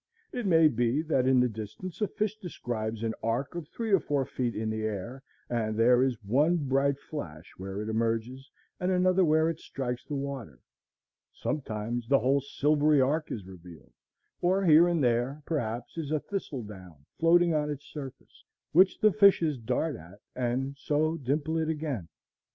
It may be that in the distance a fish describes an arc of three or four feet in the air, and there is one bright flash where it emerges, and another where it strikes the water; sometimes the whole silvery arc is revealed; or here and there, perhaps, is a thistle down floating on its surface, which the fishes dart at and so dimple it again.